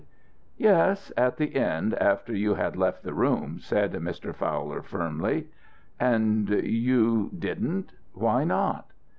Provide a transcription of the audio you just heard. "Yes, at the end, after you had left the room," said Mr. Fowler, firmly. "And you didn't? Why not?"